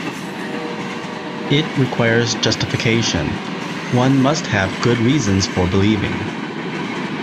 It requires justification: one must have good reasons for believing.